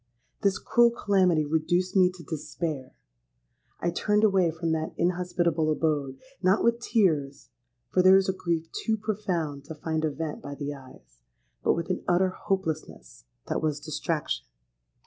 This cruel calamity reduced me to despair. I turned away from that inhospitable abode,—not with tears, for there is a grief too profound to find a vent by the eyes—but with an utter hopelessness that was distraction!